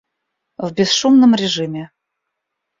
В бесшумном режиме